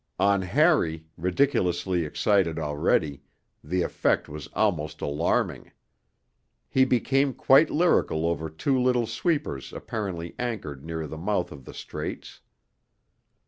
On Harry, ridiculously excited already, the effect was almost alarming. He became quite lyrical over two little sweepers apparently anchored near the mouth of the Straits.